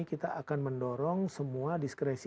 kita akan mendorong semua diskresi